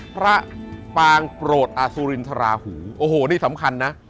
ปางโปรดอสุรินทราหูโอ้โหนี่สำคัญนะ